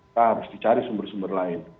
kita harus dicari sumber sumber lain